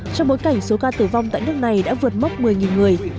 trong bối cảnh số ca tử vong tại nước này đã vượt mốc một mươi người